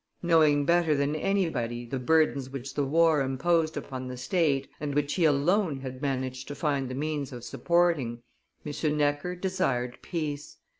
Knowing better than anybody the burdens which the war imposed upon the state, and which he alone had managed to find the means of supporting, M. Necker desired peace.